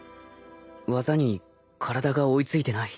技に体が追い付いてない。